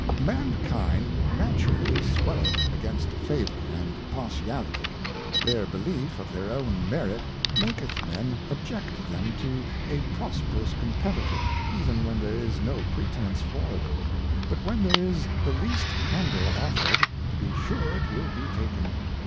Mankind naturally swelleth against Favour and Partiality; their belief of their own Merit maketh Men object them to a prosperous Competitor, even when there is no pretence for it ; but when there is the least handle offered, to be sure it will be taken.